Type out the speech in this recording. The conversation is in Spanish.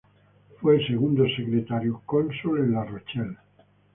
Fue Segundo Secretario-Cónsul en La Rochelle.